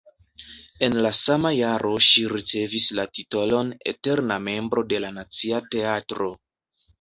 En la sama jaro ŝi ricevis la titolon eterna membro de la Nacia Teatro.